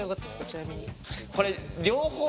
ちなみに。